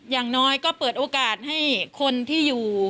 อย่างน้อยก็เปิดโอกาสให้คนที่อยู่